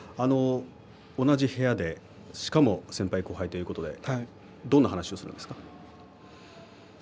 同じ部屋で、しかも先輩、後輩ということでどんな話をするんですか？